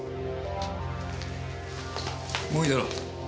もういいだろう。